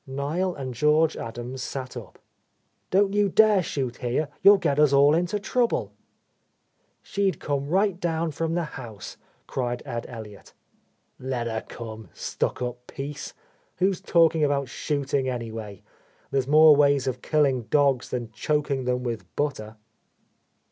Niel and George Adams sat up. "Don't you dare shoot here, you'll get us all into trouble." "She'd come right down from the house," cried Ed Elliott. "Let her come, stuck up piece ! Who's talking about shooting, anyway? There's more ways of killing dogs than choking them with butter."